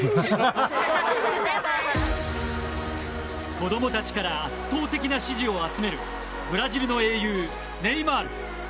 子どもたちから圧倒的な支持を集めるブラジルの英雄ネイマール。